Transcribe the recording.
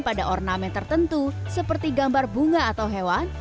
lantas dibuat pada ornament tertentu seperti gambar bunga atau hewan